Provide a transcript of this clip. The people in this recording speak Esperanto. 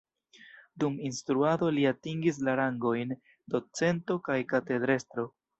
Dum instruado li atingis la rangojn docento kaj katedrestro.